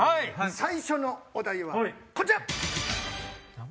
最初のお題はこちら！